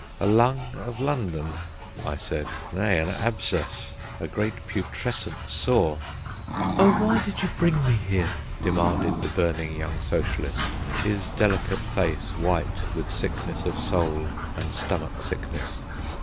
"A lung of London," I said; "nay, an abscess, a great putrescent sore." "Oh, why did you bring me here?" demanded the burning young socialist, his delicate face white with sickness of soul and stomach sickness.